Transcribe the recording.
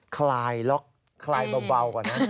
คลายล็อกคลายเบากว่านั้น